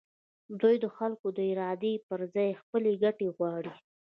دوی د خلکو د ارادې پر ځای خپلې ګټې غواړي.